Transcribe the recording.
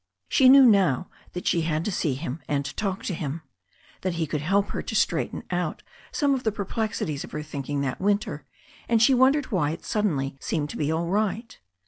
She knew now that she had to see him and talk to him, that he could help her to straighten out some of the perplexities of her thinking that winter, and she wondered why it suddenly seemed to be all right.